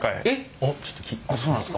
あっそうなんですか。